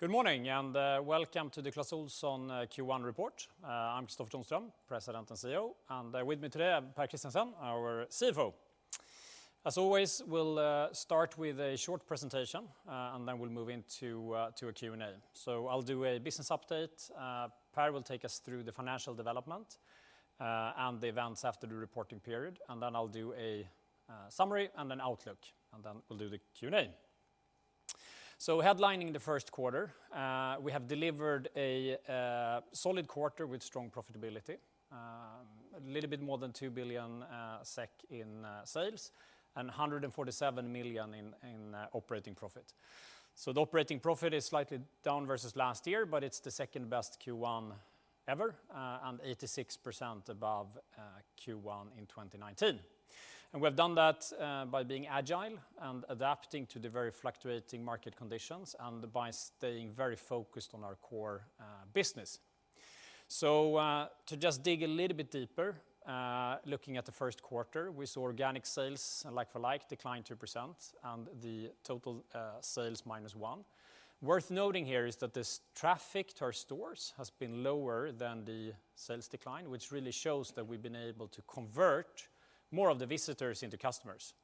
Good morning, welcome to the Clas Ohlson Q1 report. I'm Kristofer Tonström, President and CEO, with me today, I have Pär Christiansen, our CFO. As always, we'll start with a short presentation, then we'll move into a Q&A. I'll do a business update. Pär will take us through the financial development and the events after the reporting period. I'll do a summary and an outlook. We'll do the Q&A. Headlining the first quarter, we have delivered a solid quarter with strong profitability, a little bit more than 2 billion SEK in sales and 147 million in operating profit. The operating profit is slightly down versus last year, it's the second-best Q1 ever, 86% above Q1 in 2019. We've done that by being agile and adapting to the very fluctuating market conditions and by staying very focused on our core business. To just dig a little bit deeper, looking at the first quarter, we saw organic sales like-for-like decline 2%, and the total sales -1%. Worth noting here is that this traffic to our stores has been lower than the sales decline, which really shows that we've been able to convert more of the visitors into customers.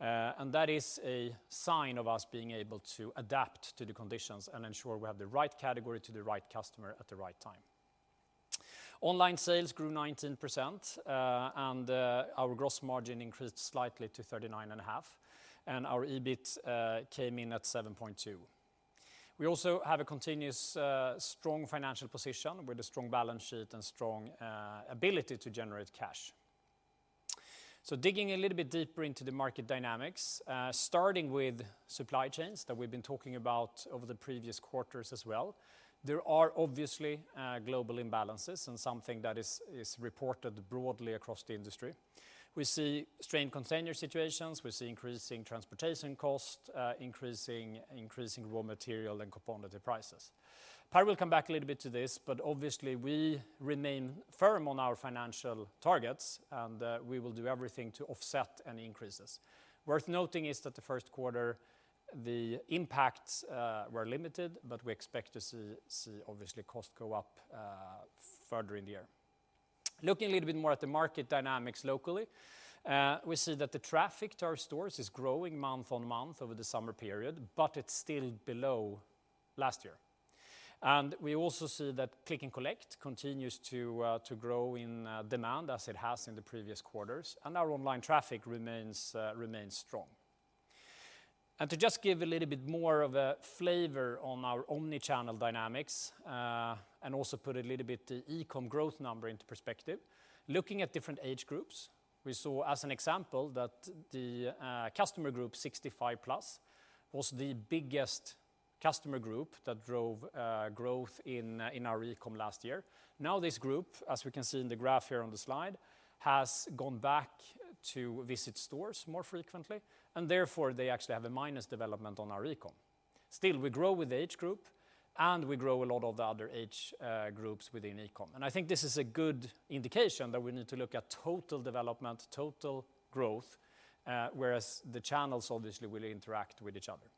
That is a sign of us being able to adapt to the conditions and ensure we have the right category to the right customer at the right time. Online sales grew 19%, and our gross margin increased slightly to 39.5%, and our EBIT came in at 7.2%. We also have a continuous, strong financial position with a strong balance sheet and strong ability to generate cash. Digging a little bit deeper into the market dynamics, starting with supply chains that we've been talking about over the previous quarters as well. There are obviously global imbalances and something that is reported broadly across the industry. We see strained container situations. We see increasing transportation costs, increasing raw material and component prices. Pär will come back a little bit to this, but obviously we remain firm on our financial targets, and we will do everything to offset any increases. Worth noting is that the first quarter, the impacts were limited, but we expect to see, obviously, costs go up further in the year. Looking a little bit more at the market dynamics locally, we see that the traffic to our stores is growing month-on-month over the summer period, but it's still below last year. We also see that click and collect continues to grow in demand as it has in the previous quarters. Our online traffic remains strong. To just give a little bit more of a flavor on our omni-channel dynamics, and also put a little bit the e-com growth number into perspective. Looking at different age groups, we saw, as an example, that the customer group 65+ was the biggest customer group that drove growth in our e-com last year. Now this group, as we can see in the graph here on the slide, has gone back to visit stores more frequently, and therefore, they actually have a minus development on our e-com. Still, we grow with the age group, and we grow a lot of the other age groups within e-com. I think this is a good indication that we need to look at total development, total growth, whereas the channels obviously will interact with each other.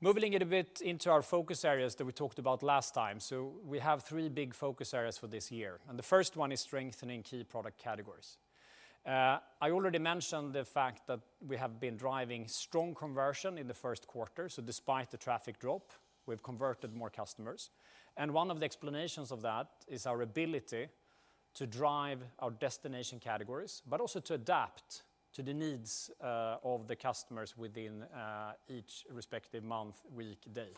Moving it a bit into our focus areas that we talked about last time. We have three big focus areas for this year, and the first one is strengthening key product categories. I already mentioned the fact that we have been driving strong conversion in the first quarter. Despite the traffic drop, we've converted more customers. One of the explanations of that is our ability to drive our destination categories, but also to adapt to the needs of the customers within each respective month, week, day.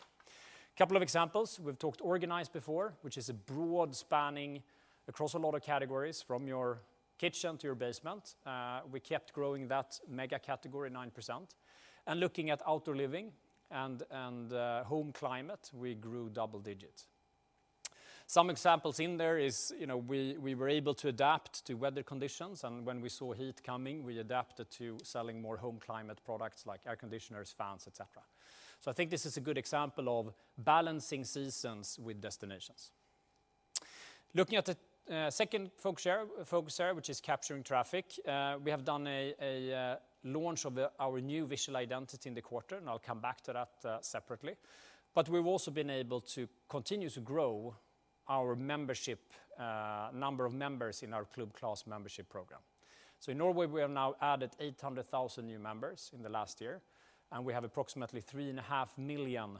Couple of examples, we've talked organized before, which is a broad spanning across a lot of categories from your kitchen to your basement. We kept growing that mega category 9%. Looking at outdoor living and home climate, we grew double digits. Some examples in there is we were able to adapt to weather conditions, and when we saw heat coming, we adapted to selling more home climate products like air conditioners, fans, et cetera. I think this is a good example of balancing seasons with destinations. Looking at the second focus area, which is capturing traffic. We have done a launch of our new visual identity in the quarter, and I'll come back to that separately. We've also been able to continue to grow our membership, number of members in our Club Clas membership program. In Norway, we have now added 800,000 new members in the last year, and we have approximately 3.5 million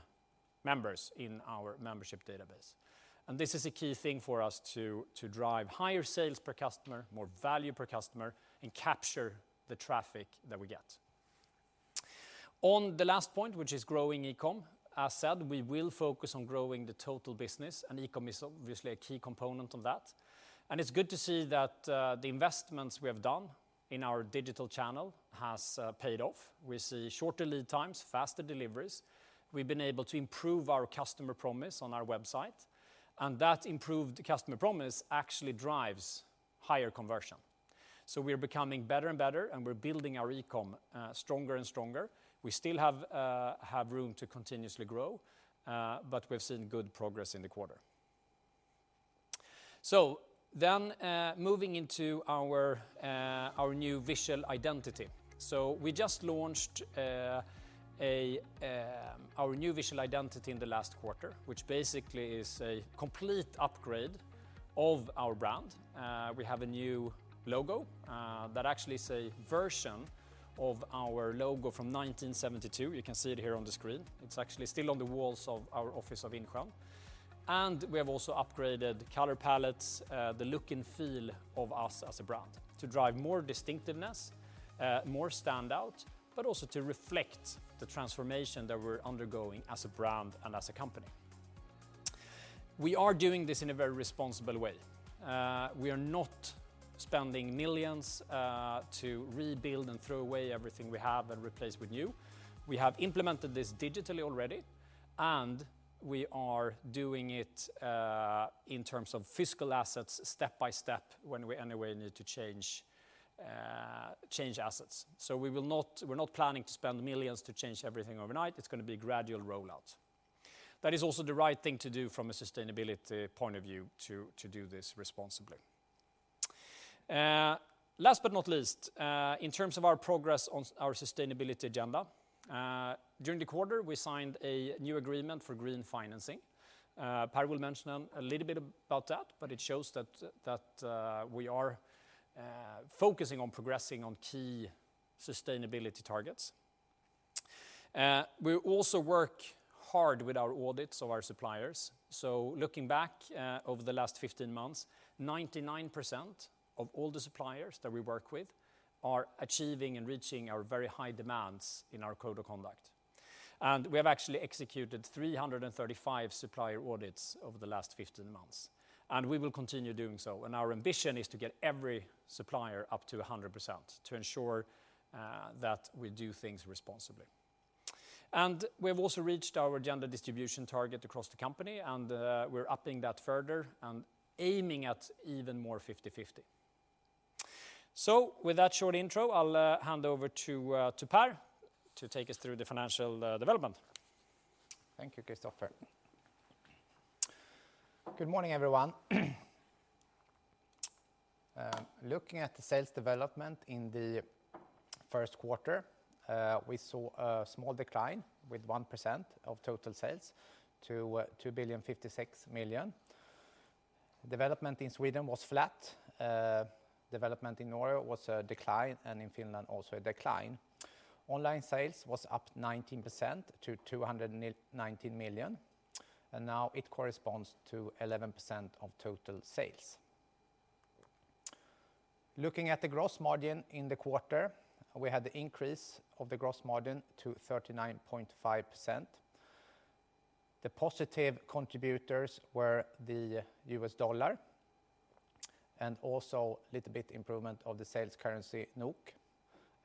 members in our membership database. This is a key thing for us to drive higher sales per customer, more value per customer, and capture the traffic that we get. On the last point, which is growing e-com, as said, we will focus on growing the total business, and e-com is obviously a key component of that. It's good to see that the investments we have done in our digital channel has paid off. We see shorter lead times, faster deliveries. We've been able to improve our customer promise on our website, and that improved customer promise actually drives higher conversion. We're becoming better and better, and we're building our e-com stronger and stronger. We still have room to continuously grow, but we've seen good progress in the quarter. Moving into our new visual identity. We just launched our new visual identity in the last quarter, which basically is a complete upgrade of our brand. We have a new logo that actually is a version of our logo from 1972. You can see it here on the screen. It's actually still on the walls of our office of Insjön. We have also upgraded color palettes, the look and feel of us as a brand to drive more distinctiveness, more standout, but also to reflect the transformation that we're undergoing as a brand and as a company. We are doing this in a very responsible way. We are not spending millions to rebuild and throw away everything we have and replace with new. We have implemented this digitally already. We are doing it in terms of physical assets step by step when we anyway need to change assets. We're not planning to spend millions to change everything overnight. It's going to be a gradual rollout. That is also the right thing to do from a sustainability point of view to do this responsibly. Last but not least, in terms of our progress on our sustainability agenda, during the quarter, we signed a new agreement for green financing. Pär will mention a little bit about that. It shows that we are focusing on progressing on key sustainability targets. We also work hard with our audits of our suppliers. Looking back over the last 15 months, 99% of all the suppliers that we work with are achieving and reaching our very high demands in our code of conduct. We have actually executed 335 supplier audits over the last 15 months, and we will continue doing so. Our ambition is to get every supplier up to 100% to ensure that we do things responsibly. We have also reached our gender distribution target across the company, and we're upping that further and aiming at even more 50/50. With that short intro, I'll hand over to Pär Christiansen to take us through the financial development. Thank you, Kristofer. Good morning, everyone. Looking at the sales development in the first quarter, we saw a small decline with 1% of total sales to 2,056 million. Development in Sweden was flat. Development in Norway was a decline, and in Finland also a decline. Online sales was up 19% to 219 million, and now it corresponds to 11% of total sales. Looking at the gross margin in the quarter, we had the increase of the gross margin to 39.5%. The positive contributors were the US dollar and also little bit improvement of the sales currency NOK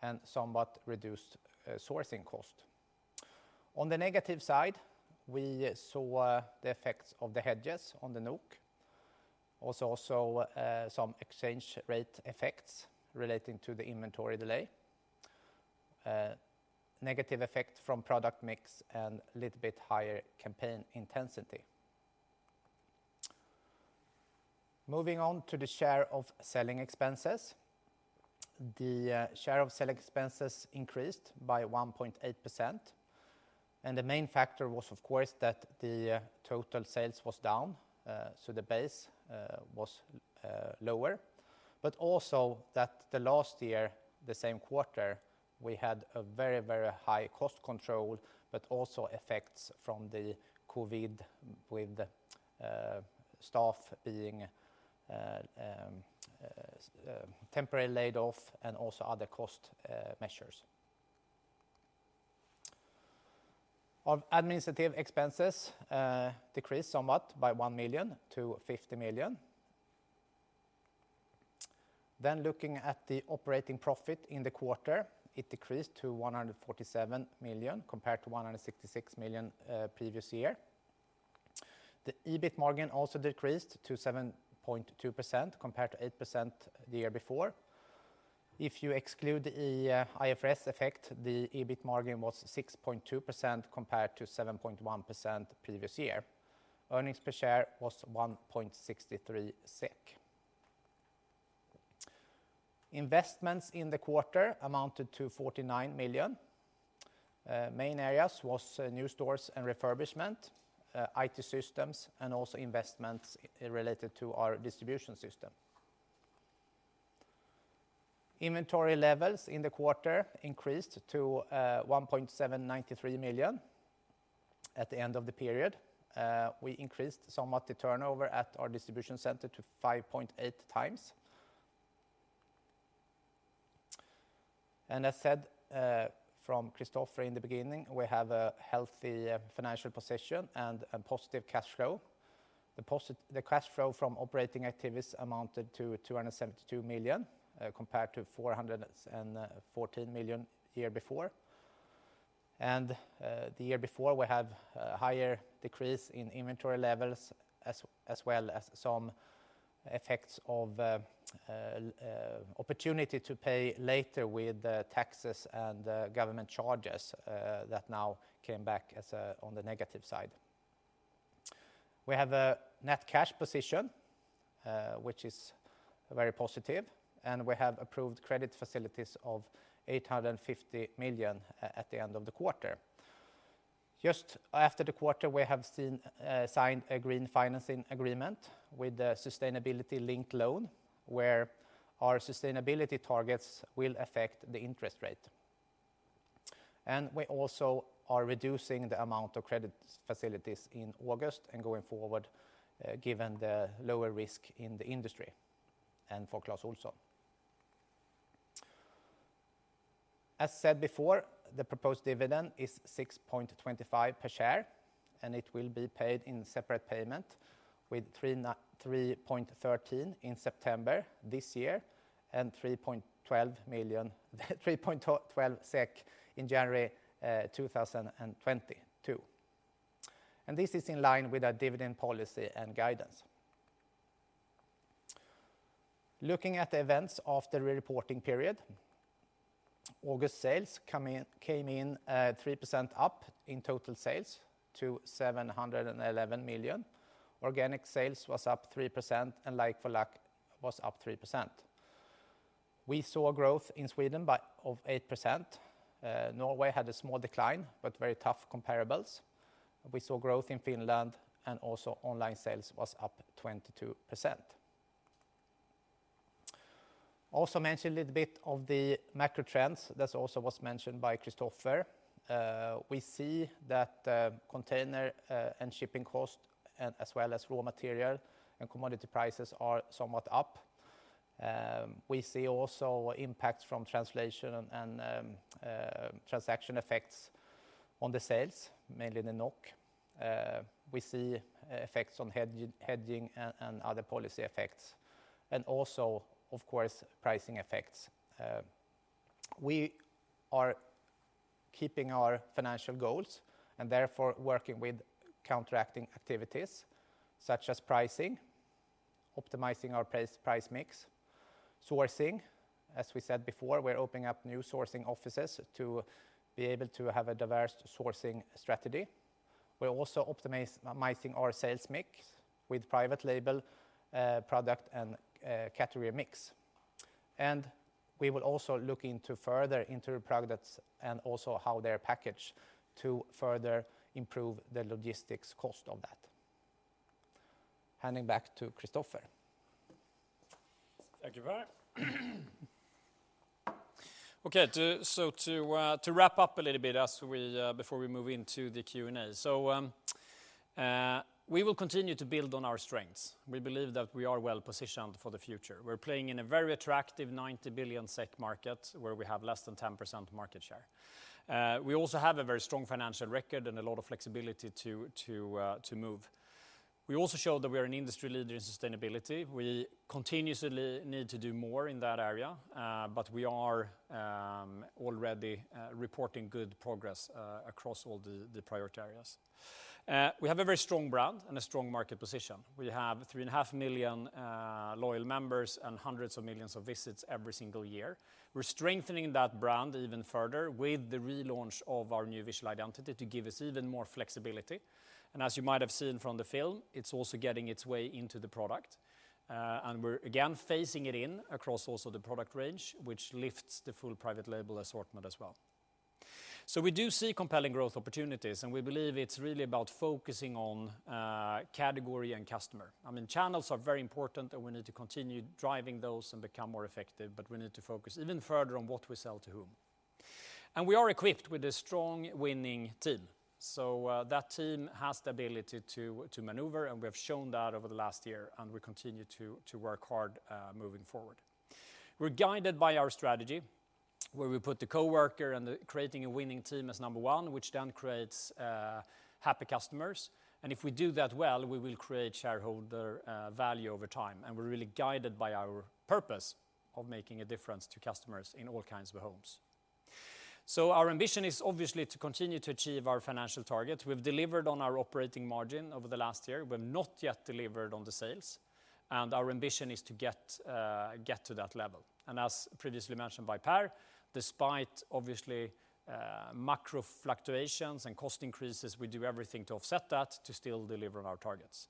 and somewhat reduced sourcing cost. On the negative side, we saw the effects of the hedges on the NOK. Some exchange rate effects relating to the inventory delay. Negative effect from product mix and little bit higher campaign intensity. Moving on to the share of selling expenses. The share of selling expenses increased by 1.8%. The main factor was, of course, that the total sales was down, so the base was lower, but also that the last year, the same quarter, we had a very high cost control, but also effects from the COVID with staff being temporarily laid off and also other cost measures. Our administrative expenses decreased somewhat by 1 million to 50 million. Looking at the operating profit in the quarter, it decreased to 147 million compared to 166 million previous year. The EBIT margin also decreased to 7.2% compared to 8% the year before. If you exclude the IFRS effect, the EBIT margin was 6.2% compared to 7.1% previous year. Earnings per share was 1.63 SEK. Investments in the quarter amounted to 49 million. Main areas was new stores and refurbishment, IT systems, and also investments related to our distribution system. Inventory levels in the quarter increased to 1,793 million at the end of the period. We increased somewhat the turnover at our distribution center to 5.8x. As said from Kristofer in the beginning, we have a healthy financial position and a positive cash flow. The cash flow from operating activities amounted to 272 million, compared to 414 million year before. The year before, we have a higher decrease in inventory levels, as well as some effects of opportunity to pay later with taxes and government charges that now came back on the negative side. We have a net cash position, which is very positive, and we have approved credit facilities of 850 million at the end of the quarter. Just after the quarter, we have signed a green financing agreement with a sustainability-linked loan, where our sustainability targets will affect the interest rate. We also are reducing the amount of credit facilities in August and going forward, given the lower risk in the industry and for Clas Ohlson. As said before, the proposed dividend is 6.25 per share, and it will be paid in separate payment with 3.13 in September this year and 3.12 in January 2022. This is in line with our dividend policy and guidance. Looking at the events after the reporting period, August sales came in at 3% up in total sales to 711 million. Organic sales was up 3% and like-for-like was up 3%. We saw growth in Sweden of 8%. Norway had a small decline, but very tough comparables. We saw growth in Finland and also online sales was up 22%. Mention a little bit of the macro trends. This also was mentioned by Kristofer. We see that container and shipping cost, as well as raw material and commodity prices are somewhat up. We see also impacts from translation and transaction effects on the sales, mainly the NOK. We see effects on hedging and other policy effects, also, of course, pricing effects. We are keeping our financial goals and therefore working with counteracting activities such as pricing, optimizing our price mix, sourcing. As we said before, we're opening up new sourcing offices to be able to have a diverse sourcing strategy. We're also optimizing our sales mix with private label product and category mix. We will also look into further into products and also how they're packaged to further improve the logistics cost of that. Handing back to Kristofer. Thank you, Pär. To wrap up a little bit before we move into the Q&A. We will continue to build on our strengths. We believe that we are well positioned for the future. We are playing in a very attractive 90 billion SEK market where we have less than 10% market share. We also have a very strong financial record and a lot of flexibility to move. We also showed that we are an industry leader in sustainability. We continuously need to do more in that area, but we are already reporting good progress across all the priority areas. We have a very strong brand and a strong market position. We have 3.5 million loyal members and hundreds of millions of visits every single year. We are strengthening that brand even further with the relaunch of our new visual identity to give us even more flexibility. As you might have seen from the film, it's also getting its way into the product. We're, again, phasing it in across also the product range, which lifts the full private label assortment as well. We do see compelling growth opportunities, and we believe it's really about focusing on category and customer. Channels are very important and we need to continue driving those and become more effective, but we need to focus even further on what we sell to whom. We are equipped with a strong winning team. That team has the ability to maneuver, and we have shown that over the last year and we continue to work hard moving forward. We're guided by our strategy, where we put the coworker and creating a winning team as number one, which then creates happy customers. If we do that well, we will create shareholder value over time, and we're really guided by our purpose of making a difference to customers in all kinds of homes. Our ambition is obviously to continue to achieve our financial targets. We've delivered on our operating margin over the last year. We've not yet delivered on the sales, and our ambition is to get to that level. As previously mentioned by Pär, despite obviously macro fluctuations and cost increases, we do everything to offset that to still deliver on our targets.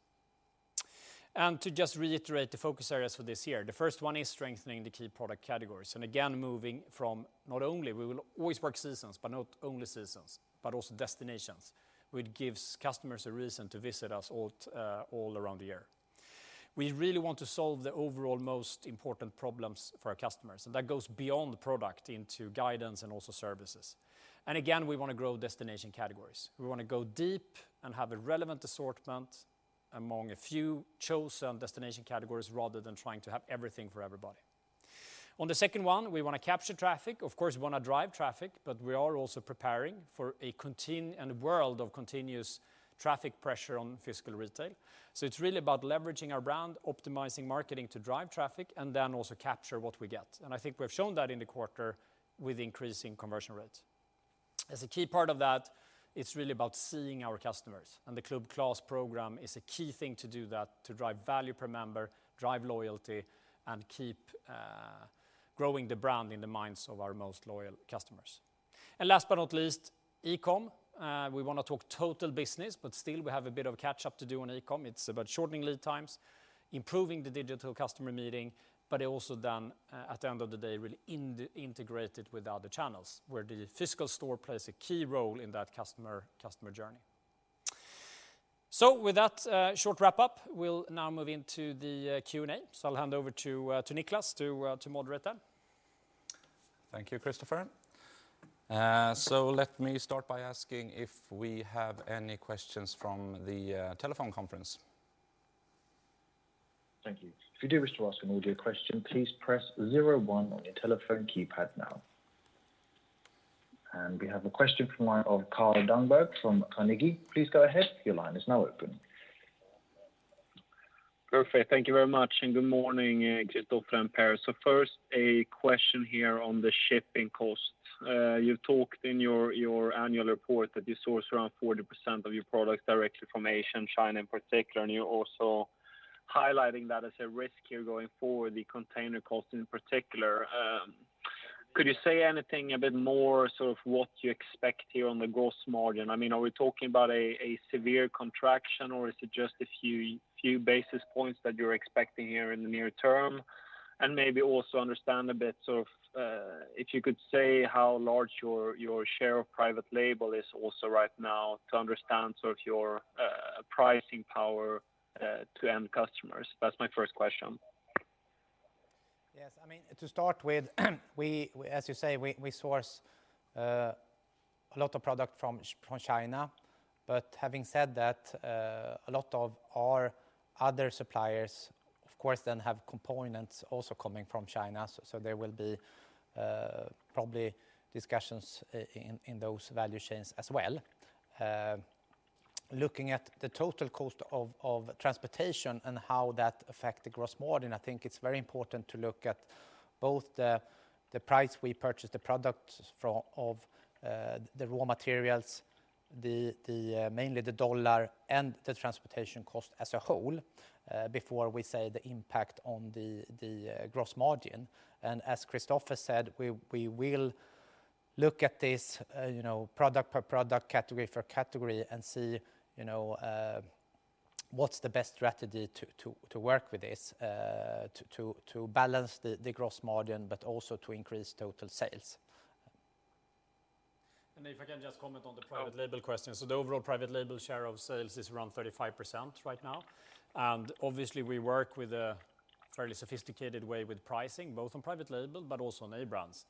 To just reiterate the focus areas for this year, the first one is strengthening the key product categories. Again, moving from not only we will always work seasons, but not only seasons, but also destinations, which gives customers a reason to visit us all around the year. We really want to solve the overall most important problems for our customers, and that goes beyond the product into guidance and also services. Again, we want to grow destination categories. We want to go deep and have a relevant assortment among a few chosen destination categories rather than trying to have everything for everybody. On the second one, we want to capture traffic. Of course, we want to drive traffic, but we are also preparing for a world of continuous traffic pressure on physical retail. It's really about leveraging our brand, optimizing marketing to drive traffic, and then also capture what we get. I think we've shown that in the quarter with increasing conversion rates. As a key part of that, it's really about seeing our customers, and the Club Clas program is a key thing to do that, to drive value per member, drive loyalty, and keep growing the brand in the minds of our most loyal customers. Last but not least, e-com. We want to talk total business, but still we have a bit of catch up to do on e-com. It's about shortening lead times, improving the digital customer meeting, but also then, at the end of the day, really integrated with other channels where the physical store plays a key role in that customer journey. With that short wrap up, we'll now move into the Q&A. I'll hand over to Niklas to moderate that. Thank you, Kristofer. Let me start by asking if we have any questions from the telephone conference. Thank you. If you do wish to ask an audio question, please press zero one on your telephone keypad now. We have a question from line of Carl Dunberg from Carnegie. Please go ahead. Your line is now open. Perfect. Thank you very much, and good morning, Kristofer and Pär. First, a question here on the shipping cost. You've talked in your annual report that you source around 40% of your products directly from Asia and China in particular, and you're also highlighting that as a risk here going forward, the container cost in particular. Could you say anything a bit more, what you expect here on the gross margin? Are we talking about a severe contraction, or is it just a few basis points that you're expecting here in the near term? Maybe also understand a bit, if you could say how large your share of private label is also right now to understand your pricing power to end customers. That's my first question. Yes. To start with, as you say, we source a lot of product from China. Having said that, a lot of our other suppliers, of course, then have components also coming from China. There will be probably discussions in those value chains as well. Looking at the total cost of transportation and how that affect the gross margin, I think it's very important to look at both the price we purchase the products of the raw materials, mainly the dollar, and the transportation cost as a whole, before we say the impact on the gross margin. As Kristofer said, we will look at this product per product, category for category, and see what's the best strategy to work with this, to balance the gross margin, but also to increase total sales. If I can just comment on the private label question. The overall private label share of sales is around 35% right now. Obviously we work with a fairly sophisticated way with pricing, both on private label but also on A-brands.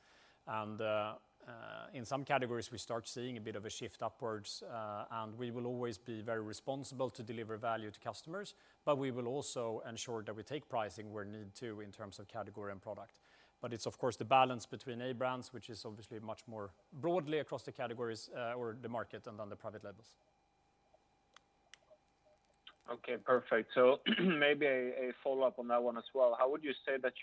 In some categories, we start seeing a bit of a shift upwards. We will always be very responsible to deliver value to customers, but we will also ensure that we take pricing where need to in terms of category and product. It's of course the balance between A-brands, which is obviously much more broadly across the categories, or the market than on the private labels. Okay, perfect. Maybe a follow-up on that one as well. How would you say that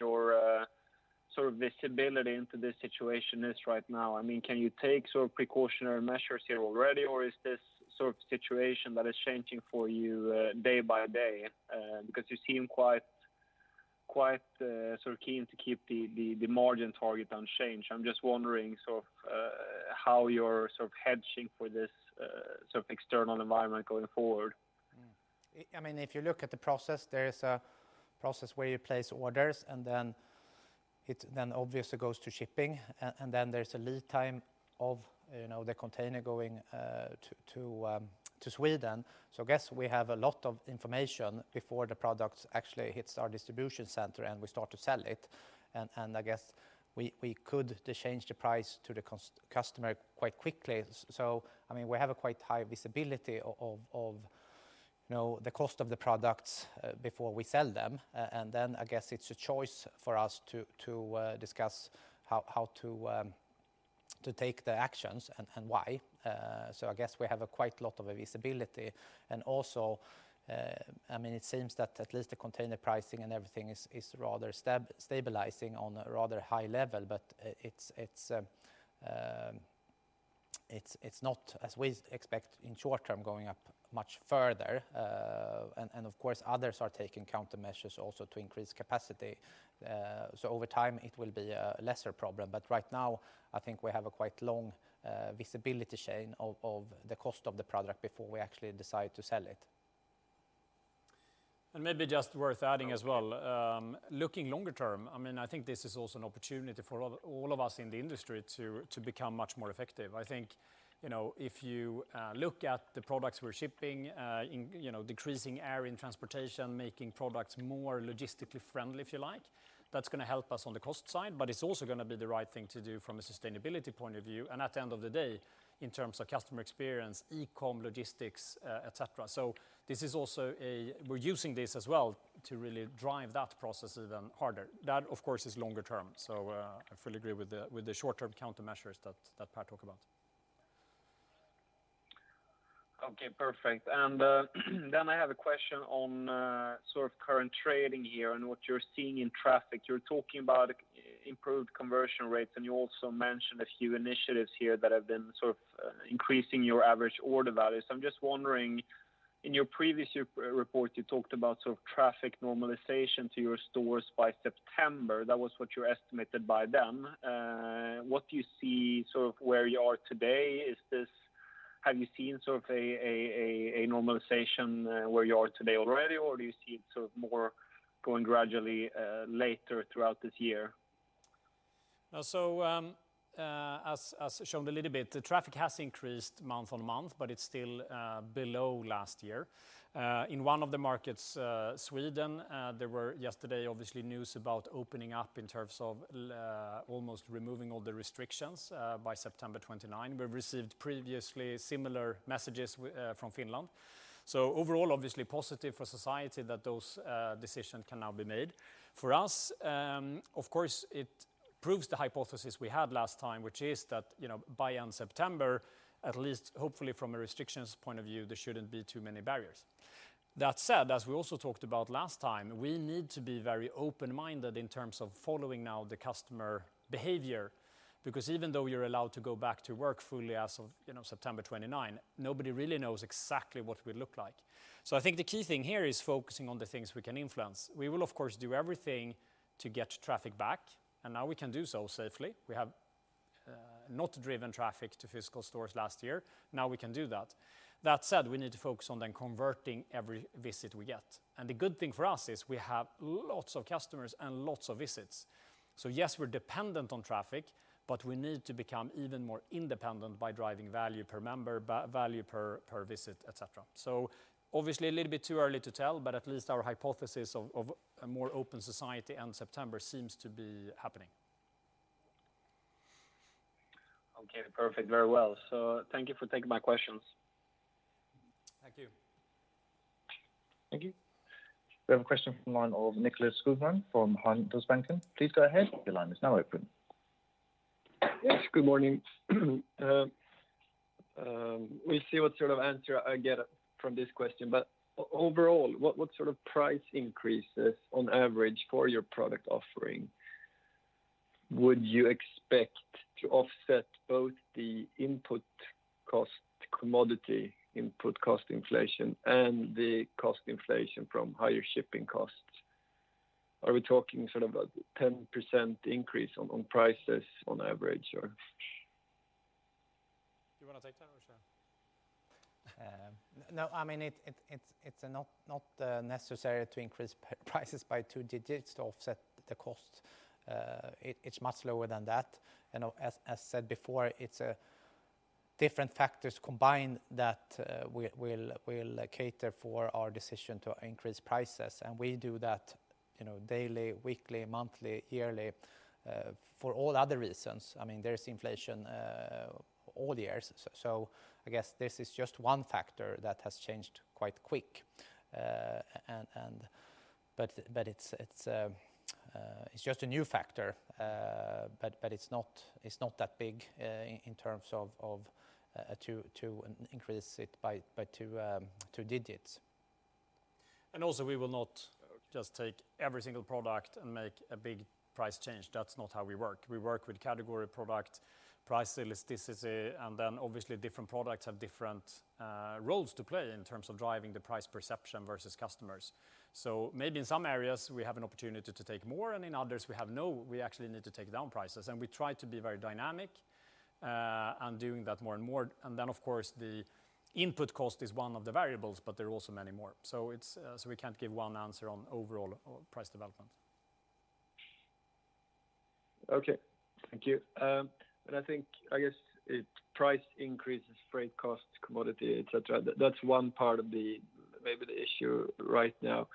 your visibility into this situation is right now? Can you take precautionary measures here already, or is this situation that is changing for you day by day? You seem quite keen to keep the margin target unchanged. I'm just wondering how you're hedging for this external environment going forward. If you look at the process, there is a process where you place orders, and then it then obviously goes to shipping, and then there's a lead time of the container going to Sweden. I guess we have a lot of information before the product actually hits our distribution center and we start to sell it. I guess we could change the price to the customer quite quickly. We have a quite high visibility of the cost of the products before we sell them. I guess it's a choice for us to discuss how to take the actions and why. I guess we have a quite a lot of visibility, and also, it seems that at least the container pricing and everything is rather stabilizing on a rather high level, but it's not, as we expect in short term, going up much further. Of course, others are taking countermeasures also to increase capacity. Over time it will be a lesser problem. Right now, I think we have a quite long visibility chain of the cost of the product before we actually decide to sell it. Maybe just worth adding as well. Looking longer term, I think this is also an opportunity for all of us in the industry to become much more effective. I think, if you look at the products we're shipping, decreasing air in transportation, making products more logistically friendly, if you like, that's going to help us on the cost side, but it's also going to be the right thing to do from a sustainability point of view, and at the end of the day, in terms of customer experience, e-com, logistics, et cetera. We're using this as well to really drive that process even harder. That, of course, is longer term. I fully agree with the short-term countermeasures that Pär talk about. Okay, perfect. I have a question on current trading here and what you're seeing in traffic. You're talking about improved conversion rates, and you also mentioned a few initiatives here that have been increasing your average order value. I'm just wondering. In your previous report, you talked about traffic normalization to your stores by September. That was what you estimated by then. What do you see where you are today? Have you seen a normalization where you are today already, or do you see it more going gradually later throughout this year? As shown a little bit, the traffic has increased month-on-month, but it's still below last year. In one of the markets, Sweden, there were yesterday, obviously, news about opening up in terms of almost removing all the restrictions by September 29. We've received previously similar messages from Finland. Overall, obviously positive for society that those decisions can now be made. For us, of course, it proves the hypothesis we had last time, which is that by end September, at least hopefully from a restrictions point of view, there shouldn't be too many barriers. That said, as we also talked about last time, we need to be very open-minded in terms of following now the customer behavior, because even though you're allowed to go back to work fully as of September 29, nobody really knows exactly what it will look like. I think the key thing here is focusing on the things we can influence. We will, of course, do everything to get traffic back, and now we can do so safely. We have not driven traffic to physical stores last year. Now we can do that. That said, we need to focus on then converting every visit we get. The good thing for us is we have lots of customers and lots of visits. Yes, we're dependent on traffic, but we need to become even more independent by driving value per member, value per visit, et cetera. Obviously, a little bit too early to tell, but at least our hypothesis of a more open society in September seems to be happening. Okay, perfect. Very well. Thank you for taking my questions. Thank you. Thank you. We have a question from Niklas Skogman from Handelsbanken. Please go ahead. Your line is now open. Yes, good morning. We'll see what sort of answer I get from this question, overall, what sort of price increases on average for your product offering would you expect to offset both the input cost commodity, input cost inflation, and the cost inflation from higher shipping costs? Are we talking about 10% increase on prices on average, or? Do you want to take that or shall I? No, it's not necessary to increase prices by two digits to offset the cost. It's much lower than that. As said before, it's different factors combined that we'll cater for our decision to increase prices. We do that daily, weekly, monthly, yearly, for all other reasons. There's inflation all years. I guess this is just 1 factor that has changed quite quick. It's just a new factor, but it's not that big in terms of to increase it by two digits. Also, we will not just take every single product and make a big price change. That's not how we work. We work with category product, price elasticity, obviously different products have different roles to play in terms of driving the price perception versus customers. Maybe in some areas we have an opportunity to take more, and in others we actually need to take down prices. We try to be very dynamic and doing that more and more. Of course, the input cost is one of the variables, but there are also many more. We can't give one answer on overall price development. Okay, thank you. I guess price increases, freight costs, commodity, et cetera, that's one part of maybe the issue right now.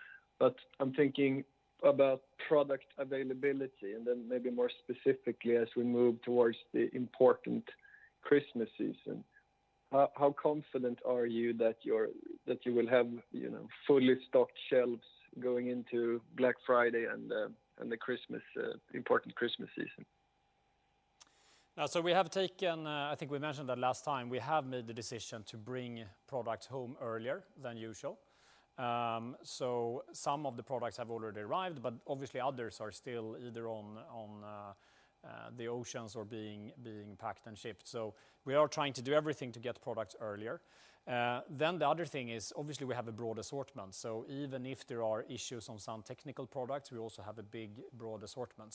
I'm thinking about product availability, and then maybe more specifically as we move towards the important Christmas season, how confident are you that you will have fully stocked shelves going into Black Friday and the important Christmas season? Now, we have taken, I think we mentioned that last time, we have made the decision to bring product home earlier than usual. Some of the products have already arrived, but obviously others are still either on the oceans or being packed and shipped. We are trying to do everything to get product earlier. The other thing is, obviously, we have a broad assortment, so even if there are issues on some technical products, we also have a big, broad assortment.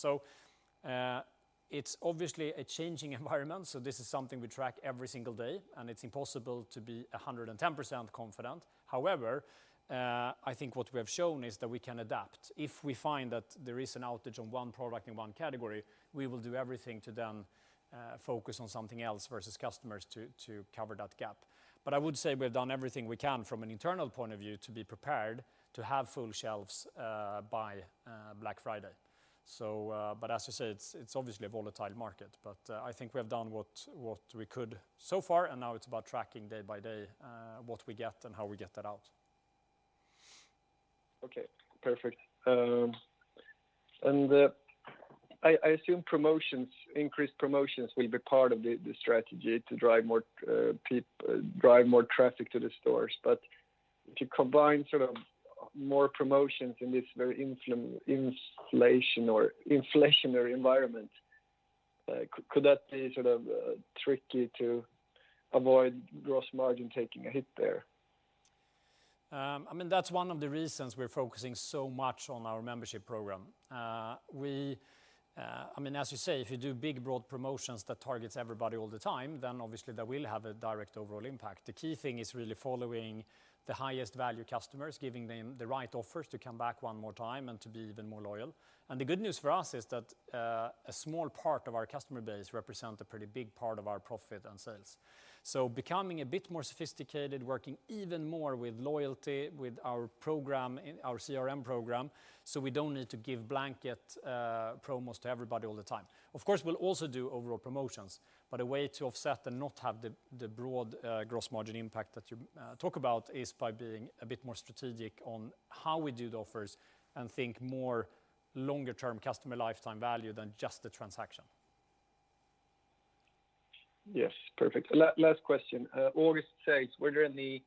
It's obviously a changing environment, so this is something we track every single day, and it's impossible to be 110% confident. However, I think what we have shown is that we can adapt. If we find that there is an outage on one product in one category, we will do everything to then focus on something else versus customers to cover that gap. I would say we've done everything we can from an internal point of view to be prepared to have full shelves by Black Friday. As you say, it's obviously a volatile market, but I think we have done what we could so far, and now it's about tracking day by day what we get and how we get that out. Okay, perfect. I assume increased promotions will be part of the strategy to drive more traffic to the stores. To combine more promotions in this very inflationary environment, could that be tricky to avoid gross margin taking a hit there? That's one of the reasons we're focusing so much on our membership program. As you say, if you do big, broad promotions that targets everybody all the time, then obviously that will have a direct overall impact. The key thing is really following the highest value customers, giving them the right offers to come back one more time and to be even more loyal. The good news for us is that a small part of our customer base represent a pretty big part of our profit and sales. Becoming a bit more sophisticated, working even more with loyalty, with our program, our CRM program, so we don't need to give blanket promos to everybody all the time. Of course, we'll also do overall promotions, but a way to offset and not have the broad gross margin impact that you talk about is by being a bit more strategic on how we do the offers and think more longer-term customer lifetime value than just the transaction. Yes, perfect. Last question. August sales, were there any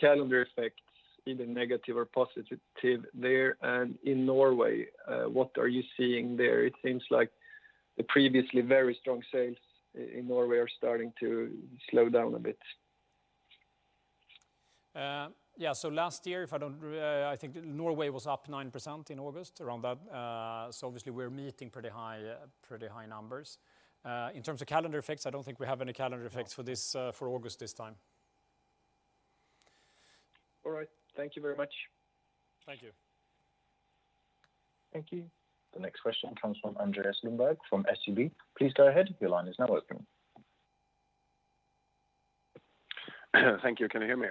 calendar effects, either negative or positive there? In Norway, what are you seeing there? It seems like the previously very strong sales in Norway are starting to slow down a bit. Last year, I think Norway was up 9% in August, around that. Obviously we're meeting pretty high numbers. In terms of calendar effects, I don't think we have any calendar effects for August this time. All right. Thank you very much. Thank you. Thank you. The next question comes from Andreas Lundberg from SEB. Please go ahead, your line is now open. Thank you. Can you hear me?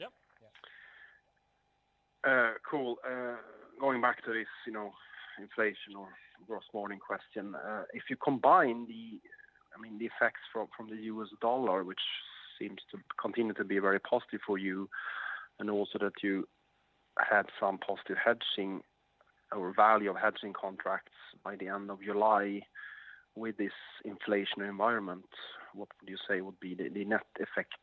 Yep. Cool. Going back to this inflation or gross margin question. If you combine the effects from the US dollar, which seems to continue to be very positive for you, and also that you had some positive hedging or value of hedging contracts by the end of July with this inflationary environment, what would you say would be the net effect?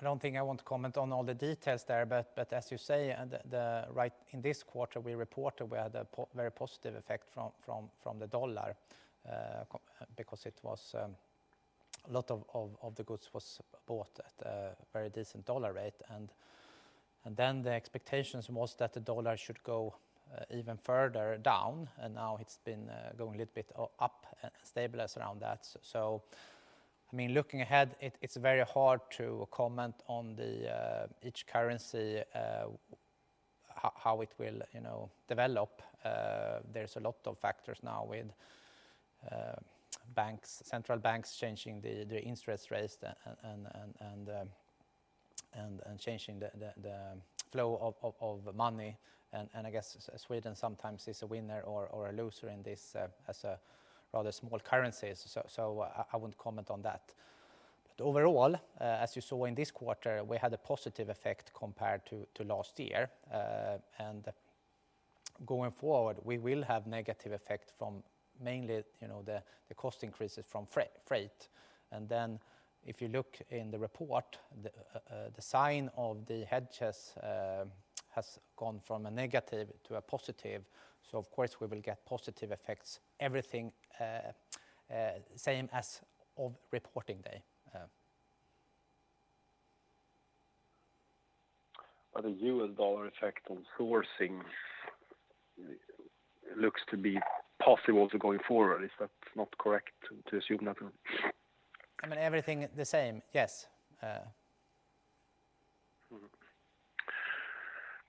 I don't think I want to comment on all the details there, but as you say, in this quarter, we reported we had a very positive effect from the US dollar, because a lot of the goods was bought at a very decent US dollar rate, and then the expectations was that the US dollar should go even further down, and now it's been going a little bit up and stabilized around that. Looking ahead, it's very hard to comment on each currency, how it will develop. There's a lot of factors now with central banks changing the interest rates and changing the flow of money, and I guess Sweden sometimes is a winner or a loser in this as a rather small currency. I won't comment on that. Overall, as you saw in this quarter, we had a positive effect compared to last year. Going forward, we will have negative effect from mainly the cost increases from freight. If you look in the report, the sign of the hedges has gone from a negative to a positive, so of course, we will get positive effects, everything same as of reporting day. The US dollar effect on sourcing looks to be possible to going forward. Is that not correct to assume that? Everything the same, yes.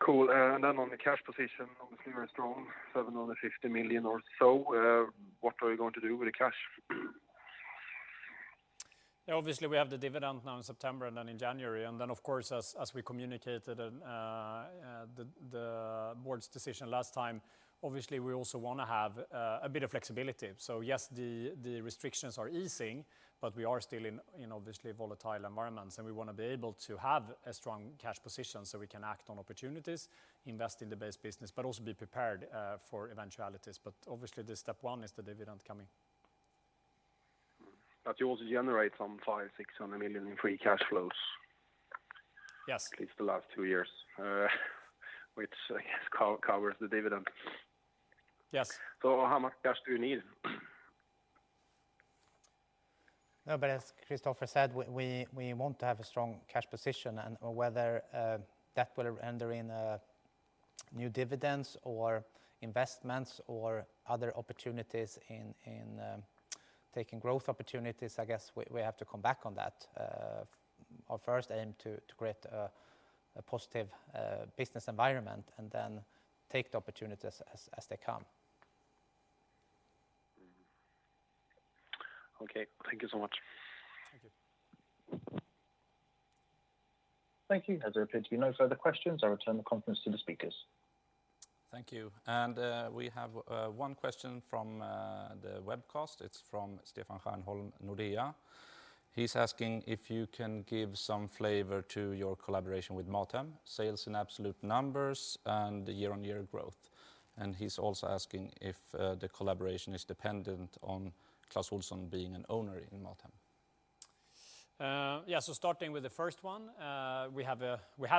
Cool. Then on the cash position, obviously very strong, 750 million or so. What are you going to do with the cash? Obviously, we have the dividend now in September and then in January. Of course, as we communicated the board's decision last time, obviously, we also want to have a bit of flexibility. Yes, the restrictions are easing, but we are still in obviously a volatile environment, and we want to be able to have a strong cash position so we can act on opportunities, invest in the base business, but also be prepared for eventualities. Obviously, the step 1 is the dividend coming. You also generate some 500 million-600 million in free cash flows. Yes. At least the last two years, which I guess covers the dividend. Yes. How much cash do you need? As Kristofer said, we want to have a strong cash position, and whether that will render in new dividends or investments or other opportunities in taking growth opportunities, I guess we have to come back on that. Our first aim to create a positive business environment and then take the opportunities as they come. Okay, thank you so much. Thank you. Thank you. As there appear to be no further questions, I return the conference to the speakers. Thank you. We have one question from the webcast. It's from Stefan Stjernholm, Nordea. He's asking if you can give some flavor to your collaboration with MatHem, sales in absolute numbers and year-on-year growth. He's also asking if the collaboration is dependent on Clas Ohlson being an owner in MatHem. Yeah, starting with the first one, we have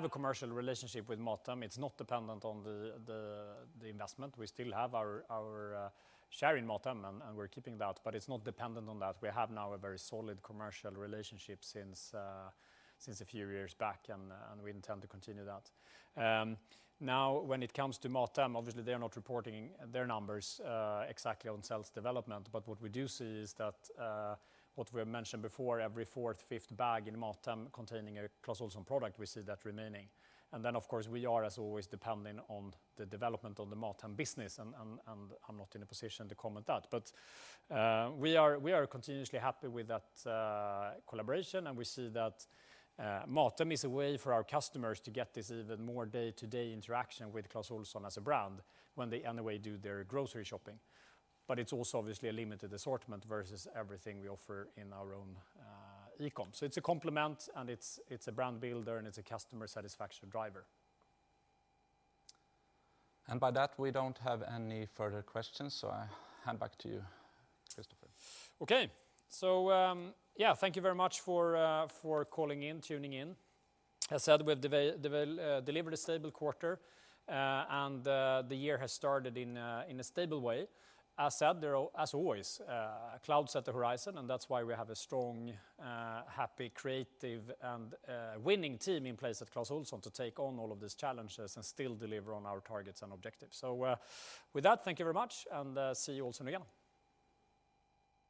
a commercial relationship with MatHem. It's not dependent on the investment. We still have our share in MatHem, we're keeping that, it's not dependent on that. We have now a very solid commercial relationship since a few years back, we intend to continue that. When it comes to MatHem, obviously, they're not reporting their numbers exactly on sales development. What we do see is that what we have mentioned before, every fourth, fifth bag in MatHem containing a Clas Ohlson product, we see that remaining. Of course, we are, as always, dependent on the development of the MatHem business, I'm not in a position to comment that. We are continuously happy with that collaboration, and we see that MatHem is a way for our customers to get this even more day-to-day interaction with Clas Ohlson as a brand when they anyway do their grocery shopping. It's also obviously a limited assortment versus everything we offer in our own e-com. It's a complement, and it's a brand builder, and it's a customer satisfaction driver. By that, we don't have any further questions, so I hand back to you, Kristofer. Yeah, thank you very much for calling in, tuning in. As said, we've delivered a stable quarter. The year has started in a stable way. As said, there are, as always, clouds at the horizon. That's why we have a strong, happy, creative, and winning team in place at Clas Ohlson to take on all of these challenges and still deliver on our targets and objectives. With that, thank you very much. See you all soon again.